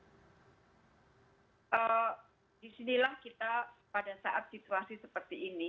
di sinilah kita pada saat situasi seperti ini